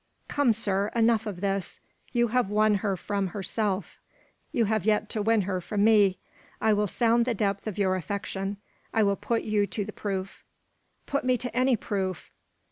"Come, sir, enough of this. You have won her from herself; you have yet to win her from me. I will sound the depth of your affection. I will put you to the proof." "Put me to any proof!"